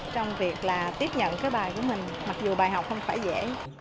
trong việc là tiếp nhận cái bài của mình mặc dù bài học không phải dễ